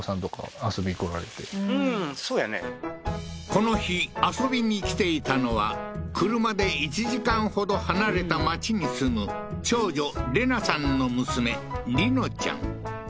この日遊びに来ていたのは車で１時間ほど離れた町に住む長女玲奈さんの娘梨乃ちゃん